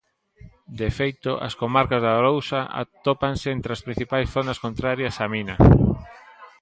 De feito, as comarcas da Arousa atópanse entre as principais zonas contrarias á mina.